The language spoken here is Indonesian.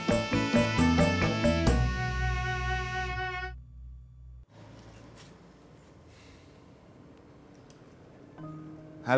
supaya cukup demighangan air k nolan banget